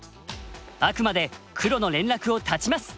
あくまで黒の連絡を断ちます。